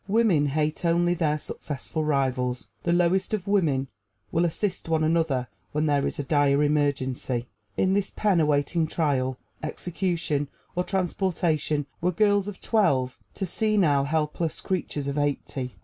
Women hate only their successful rivals. The lowest of women will assist one another when there is a dire emergency. In this pen, awaiting trial, execution or transportation, were girls of twelve to senile, helpless creatures of eighty.